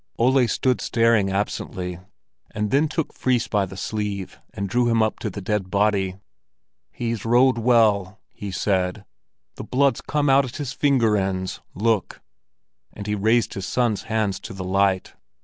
Ole stood staring absently, and then took Fris by the sleeve and drew him up to the dead body. "He's rowed well!" he said. "The blood's come out at his finger ends, look!" And he raised his son's hands to the light.